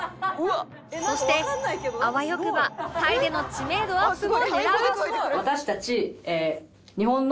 そしてあわよくばタイでの知名度アップを狙う！